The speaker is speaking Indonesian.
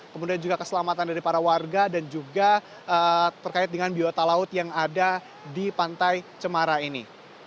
kemudian juga keselamatan dari para warga dan juga terkait dengan biota laut yang ada di pantai cemara ini